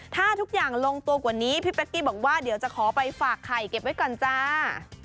ถ้าทุกอย่างลงตัวกว่านี้พี่เป๊กกี้บอกว่าเดี๋ยวจะขอไปฝากไข่เก็บไว้ก่อนจ้า